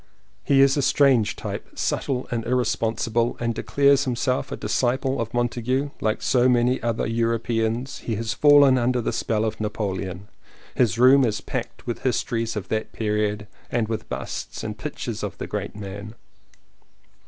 He is a strange type, subtle and irrespon sible, and declares himself a disciple of Montaigne. Like so many other Europeans he has fallen under the spell of Napoleon; his room is packed with histories of that period and with busts and pictures of the 229 CONFESSIONS OF TWO BROTHERS great man.